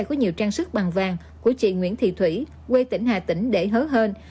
có nhiều trang sức bằng vàng của chị nguyễn thị thủy quê tỉnh hà tĩnh để hứa hên